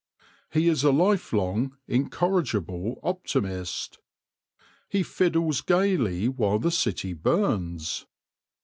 He is a life long, incorrigible optimist. He fiddles gaily while the city burns.